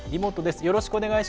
よろしくお願いします。